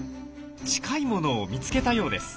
近いものを見つけたようです。